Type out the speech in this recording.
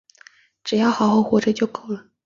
只要好好活着就够了